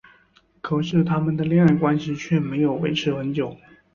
可是他们的恋爱关系却没有维持很久。